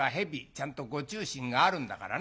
ちゃんとご注進があるんだからね。